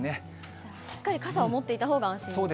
じゃあ、しっかり傘を持っていたほうが安心ですね。